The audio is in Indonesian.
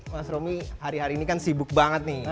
mas romi hari hari ini kan sibuk banget nih